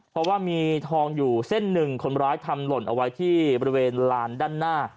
เพราะว่ามีทองอยู่เส้นหนึ่งคนร้ายทำหล่นเอาไว้ที่บริเวณลานด้านหน้า